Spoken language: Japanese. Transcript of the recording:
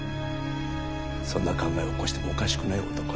そんな考えを起こしてもおかしくない男だ。